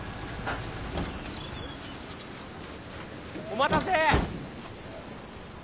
お待たせ。